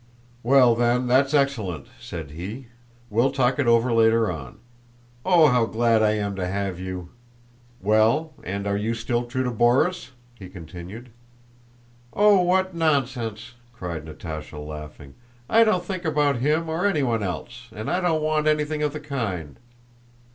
"Well then, that's excellent," said he. "We'll talk it over later on. Oh, how glad I am to have you!" "Well, and are you still true to Borís?" he continued. "Oh, what nonsense!" cried Natásha, laughing. "I don't think about him or anyone else, and I don't want anything of the kind."